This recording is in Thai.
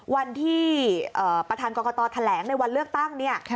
วันที่ประธานกรกตแถลงในวันเลือกตั้งเนี่ย